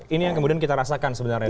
ini yang kemudian kita rasakan sebenarnya